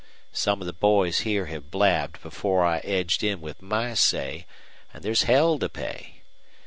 Some of the boys here hev blabbed before I edged in with my say, an' there's hell to pay.